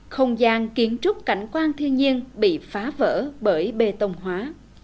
không gian kiến trúc cảnh quan thiên nhiên bị phá vỡ bởi bê tông hóa